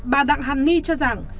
bà đặng hàn ni cho rằng